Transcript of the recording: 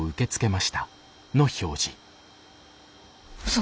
嘘！？